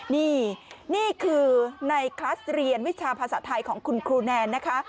นี่นี่คือในคลัสเรียนวิชาภาษาไทยของคุณครูแนนนะคะ